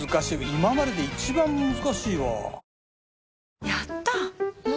今までで一番難しいわ。